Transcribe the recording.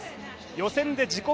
予選で自己